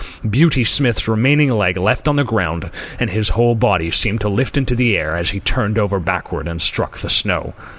Beauty Smith's remaining leg left the ground, and his whole body seemed to lift into the air as he turned over backward and struck the snow.